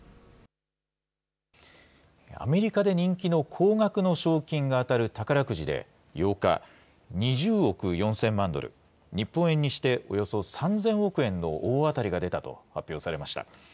アメリカで人気の高額の賞金が当たる宝くじで８日、２０億４０００万ドル、日本円にしておよそ３０００億円の大当たりが出たと発表されました。